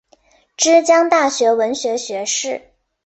之江大学文学学士。